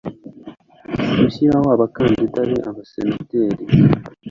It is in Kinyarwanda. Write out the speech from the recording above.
gushyiraho abakandida b abasenateri